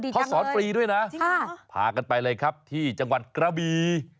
เขาสอนฟรีด้วยนะพากันไปเลยครับที่จังหวัดกระบี